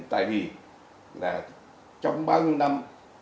tại vì trong bao nhiêu năm